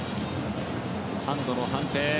ハンドの判定。